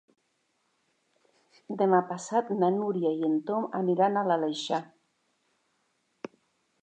Demà passat na Núria i en Tom aniran a l'Aleixar.